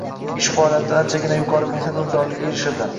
Ish faoliyatida anchagina yuqori mehnat unumdorligiga erishildi.